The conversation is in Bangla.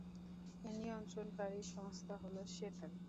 এর নিয়ন্ত্রণকারী সংস্থা হল, সেতার।